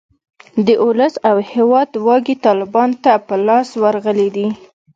د اولس او هیواد واګې طالیبانو ته په لاس ورغلې دي.